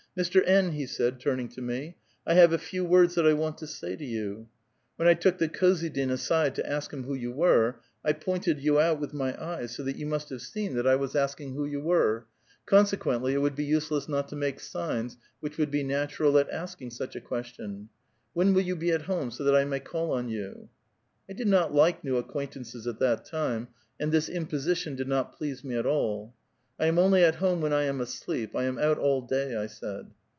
— Mr. N.," he said, turning to me, " I have a few words that I want to say to vou. When I took the khozydin aside to ask him who you were, T pointed you out with my eyes, so that you must have seen that I was > TchUidak, A VITAL QUESTION. 288 asking who you were ; consequently, it woald be useless not to make signs which would be natural at asking siieh a question. When will you be at home, so that 1 may call on you?" I did not like new acquaintances at that time, and this imposition did not please me at all. ''I am only at home when I am asleep; I am out all day," I said.